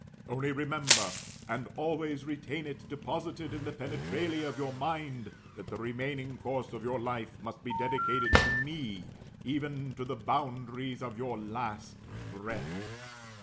Only remember, and always retain it deposited in the penetralia of your mind, that the remaining course of your life must be dedicated to roe, even to the boundaries of your last breath.